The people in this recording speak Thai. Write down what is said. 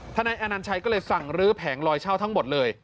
นายอนัญชัยก็เลยสั่งลื้อแผงลอยเช่าทั้งหมดเลย